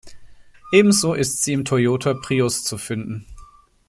Ebenso ist sie im Toyota Prius zu finden.